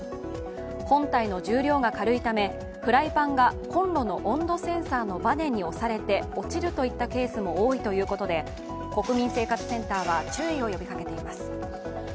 本体の重量が軽いため、フライパンがこんろの温度センサーのばねに押されて落ちるといったケースも多いということで国民生活センターは注意を呼びかけています。